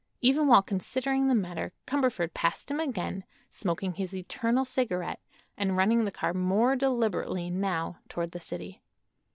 Even while considering the matter Cumberford passed him again, smoking his eternal cigarette and running the car more deliberately, now, toward the city.